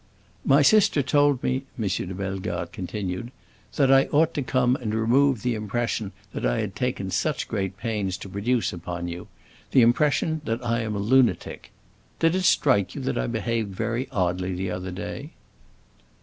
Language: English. "My sister told me," M. de Bellegarde continued, "that I ought to come and remove the impression that I had taken such great pains to produce upon you; the impression that I am a lunatic. Did it strike you that I behaved very oddly the other day?"